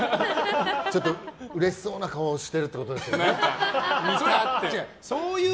ちょっとうれしそうな顔してるってことですよね。